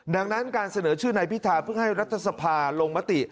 ดังนั้นการเสนอชื่อนายพิธาเพื่อให้รัฐสภาลงมติ